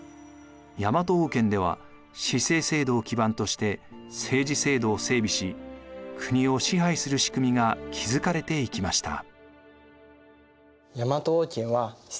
大和王権では氏姓制度を基盤として政治制度を整備し国を支配する仕組みが築かれていきました。